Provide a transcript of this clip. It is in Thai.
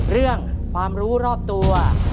เรื่องความรู้รอบตัว